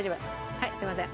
はいすいません。